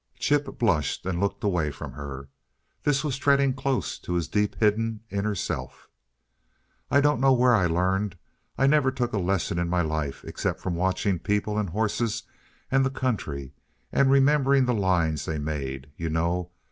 Chip blushed and looked away from her. This was treading close to his deep hidden, inner self. "I don't know where I learned. I never took a lesson in my life, except from watching people and horses and the country, and remembering the lines they made, you know.